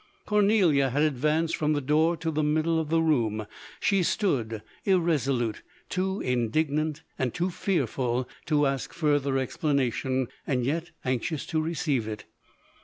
Cornelia had ad vanced from the door to the middle of the room; she stood irresolute, too indignant and too fearful to ask further explanation, yet anxious to receive it.